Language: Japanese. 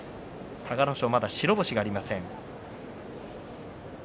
隆の勝はまだ白星がありません。